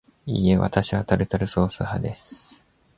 いいえ、わたしはタルタルソース派です